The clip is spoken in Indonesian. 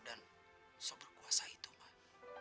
dan sobrer kuasa itu mak